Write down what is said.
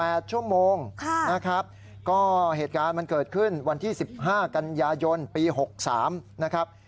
เออ๑๘ชั่วโมงนะครับก็เหตุการณ์มันเกิดขึ้นวันที่๑๕กันยายนปี๖๓นะครับ